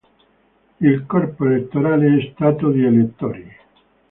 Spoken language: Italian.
Il corpo elettorale è stato di elettori.